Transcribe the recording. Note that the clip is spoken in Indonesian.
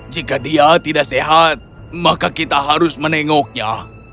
jika dia tidak sehat maka kita harus menengoknya